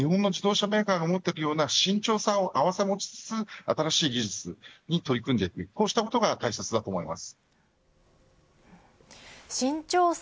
とはいえ、自動車は人の生命に関わる乗り物ですので日本の自動車メーカーが持っているような慎重さを併せ持ちつつ新しい技術に取り組んでいくこうしたことが大切だと思います。